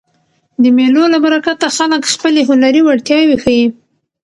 د مېلو له برکته خلک خپلي هنري وړتیاوي ښيي.